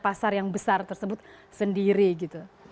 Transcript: pasar yang besar tersebut sendiri gitu